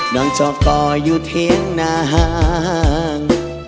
น้องเจ้ากออยู่เที่ยงนาง